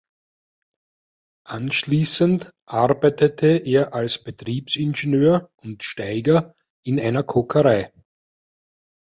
Anschließend arbeitete er als Betriebsingenieur und Steiger in einer Kokerei.